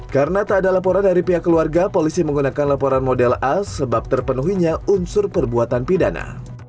karena tak ada laporan dari pihak keluarga polisi menggunakan laporan model a sebab terpenuhinya unsur perbuatan pidana